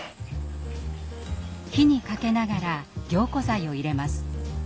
火にかけながら凝固剤を入れます。